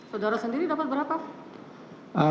saudara sendiri dapat berapa